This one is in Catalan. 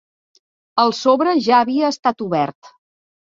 El sobre ja havia estat obert.